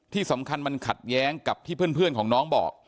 ที่สำคัญมันขัดแย้งกับที่เพื่อนของน้องบอก